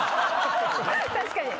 確かに。